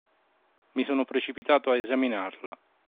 Mi sono precipitato a esaminarla.